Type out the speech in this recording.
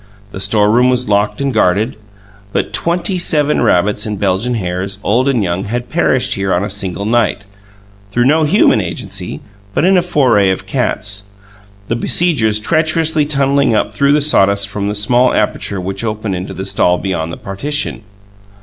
The storeroom was locked and guarded, but twenty seven rabbits and Belgian hares, old and young, had perished here on a single night through no human agency, but in a foray of cats, the besiegers treacherously tunnelling up through the sawdust from the small aperture which opened into the stall beyond the partition.